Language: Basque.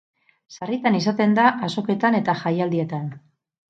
Sarritan izaten da azoketan eta jaialdietan.